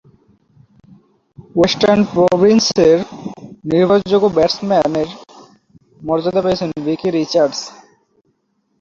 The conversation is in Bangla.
ওয়েস্টার্ন প্রভিন্সের নির্ভরযোগ্য ব্যাটসম্যানের মর্যাদা পেয়েছেন ডিকি রিচার্ডস।